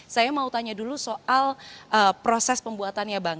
saya mau tanya dulu soal proses pembuatannya bang